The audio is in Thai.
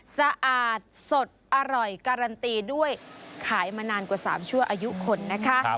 สะอาดสดอร่อยการันตีด้วยขายมานานกว่า๓ชั่วอายุคนนะคะ